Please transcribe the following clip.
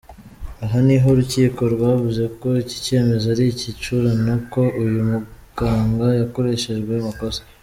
Aha niho urukiko rwavuze ko iki cyemezo ari igicurano, ko uyu muganga yakoreshejwe amakosa.